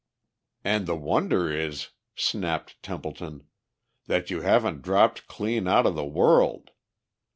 "And the wonder is," snapped Templeton, "that you haven't dropped clean out of the world!